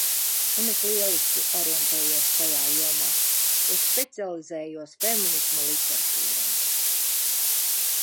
Un es lieliski orientējos šajā jomā, jo specializējos feminisma literatūrā!